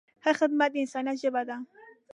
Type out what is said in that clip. ښه خدمت د انسانیت ژبه ده.